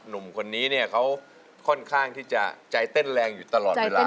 หนุ่มคนนี้เนี่ยเขาค่อนข้างที่จะใจเต้นแรงอยู่ตลอดเวลา